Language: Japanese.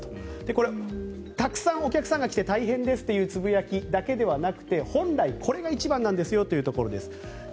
これ、たくさんお客さんが来て大変ですというつぶやきだけじゃなくて本来、これが一番なんですよということです。